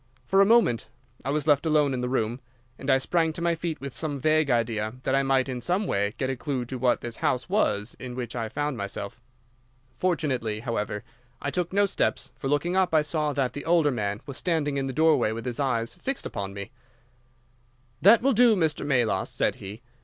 For a moment I was left alone in the room, and I sprang to my feet with some vague idea that I might in some way get a clue to what this house was in which I found myself. Fortunately, however, I took no steps, for looking up I saw that the older man was standing in the doorway with his eyes fixed upon me. "'That will do, Mr. Melas,' said he.